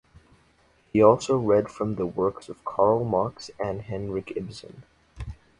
He also read from the works of Karl Marx and Henrik Ibsen.